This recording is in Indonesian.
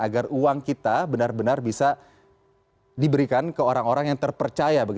agar uang kita benar benar bisa diberikan ke orang orang yang terpercaya